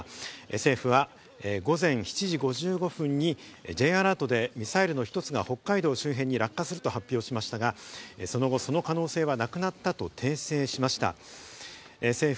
政府は午前７時５５分にＪアラートでミサイルの一つが北海道周辺に落下すると発表しましたが、その後、その可能性はなくなったと訂正しました。